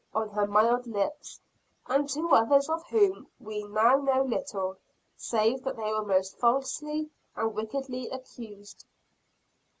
on her mild lips; and two others of whom we now know little, save that they were most falsely and wickedly accused.